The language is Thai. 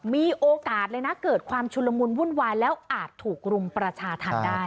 มีโอกาสเลยนะเกิดความชุลมุนวุ่นวายแล้วอาจถูกรุมประชาธรรมได้